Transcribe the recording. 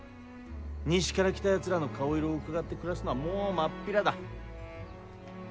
西から来たやつらの顔色をうかがって暮らすのはもう真っ平だ。